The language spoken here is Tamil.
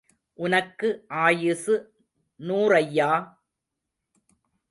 உனக்கு ஆயுசு நூறய்யா!